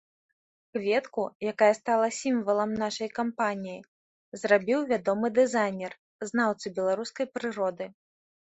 Кветку, якая стала сімвалам нашай кампаніі, зрабіў вядомы дызайнер, знаўца беларускай прыроды.